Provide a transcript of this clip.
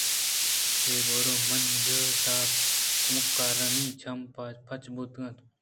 اے گڑ ءُمُنج ءِ تہا کمکارانی چم پچ بوت اَنت